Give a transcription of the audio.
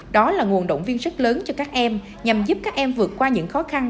đó là nguồn động viên rất lớn cho các em nhằm giúp các em vượt qua những khó khăn